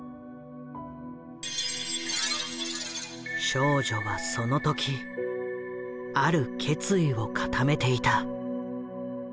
少女はその時ある決意を固めていた。